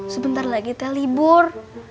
sebentar lagi teh libur